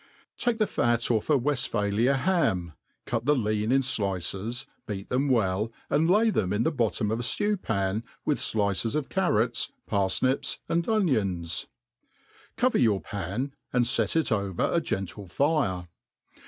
TAKE the fat ofFa Weftp'halia ham, cut the lean in fllccs, beat them well, and lay tHem in the bottom of a flew^pan» tMth fliccs of carrots, p^rfnip?, andonions ; cover your pan, ahd fet it pvcr a gentle fire.